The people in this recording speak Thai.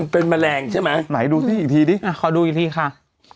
เป็นแมลงใช่ไหมไหนดูซิอีกทีดิขอดูอีกทีค่ะ